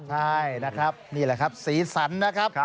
ใช่นะครับนี่แหละครับสีสันนะครับ